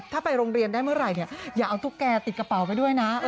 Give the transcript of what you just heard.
ถ้าไปโรงเรียนได้เมื่อไหร่อย่าเอาตุ๊กแก่ติดกระเป๋าไปด้วยนะ